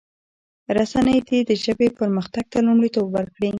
رسنی دي د ژبې پرمختګ ته لومړیتوب ورکړي.